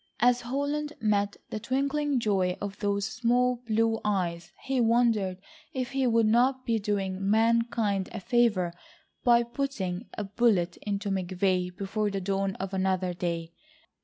As Holland met the twinkling joy of those small blue eyes, he wondered if he would not be doing mankind a favour by putting a bullet into McVay before the dawn of another day.